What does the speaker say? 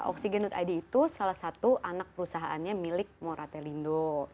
oksigen id itu salah satu anak perusahaannya milik moratelindo